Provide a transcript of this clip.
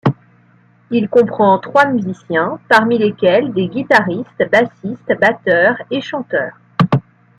Il comprend trois musiciens, parmi lesquels des guitaristes, bassistes, batteurs et chanteurs.